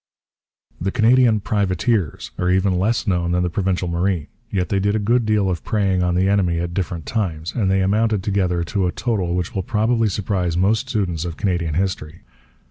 The Canadian privateers are even less known than the Provincial Marine. Yet they did a good deal of preying on the enemy at different times, and they amounted altogether to a total which will probably surprise most students of Canadian history.